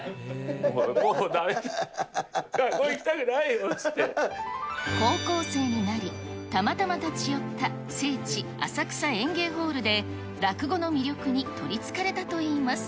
もうだめだ、高校生になり、たまたま立ち寄った聖地、浅草演芸ホールで落語の魅力に取りつかれたといいます。